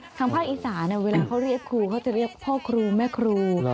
ทางภาคอีสานเวลาเขาเรียกครูเขาจะเรียกพ่อครูแม่ครู